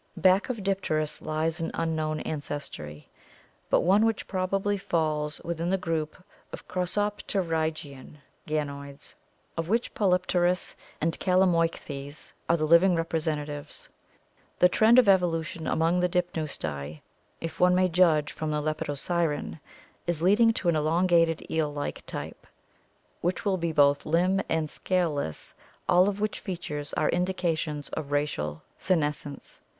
Back of Dipterus lies an unknown ancestry, but one which probably falls within the group of crossopterygian ganoids 486 ORCANIC EVOLUTION of which Polypterus and Calamoichthys are the living representa tives. The trend of evolution among the Dipneusti, if one may judge from Lepidosiren, is leading to an elongated eel like type, which will be both limb and scale less, all of which features are indications of racial senescence.